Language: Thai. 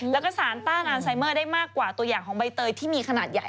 แล้วก็สารต้านอัลไซเมอร์ได้มากกว่าตัวอย่างของใบเตยที่มีขนาดใหญ่